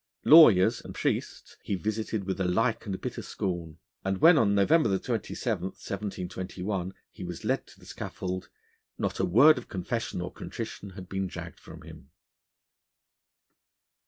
Lawyers and priests he visited with a like and bitter scorn, and when, on November 27, 1721, he was led to the scaffold, not a word of confession or contrition had been dragged from him.